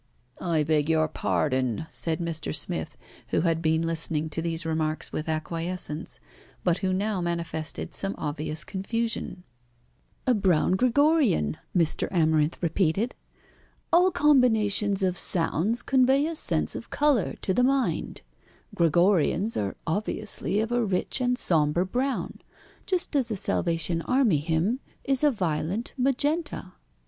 "I beg your pardon," said Mr. Smith, who had been listening to these remarks with acquiescence, but who now manifested some obvious confusion. "A brown Gregorian," Mr. Amarinth repeated. "All combinations of sounds convey a sense of colour to the mind. Gregorians are obviously of a rich and sombre brown, just as a Salvation Army hymn is a violent magenta."